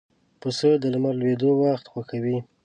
پسه د لمر لوېدو وخت خوښوي.